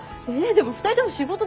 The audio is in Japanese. でも２人とも仕事でしょ？